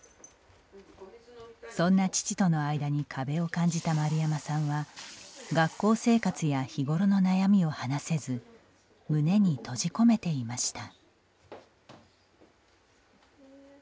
そんな父との間に壁を感じた丸山さんは学校生活や日頃の悩みを話せず胸に閉じ込めていました。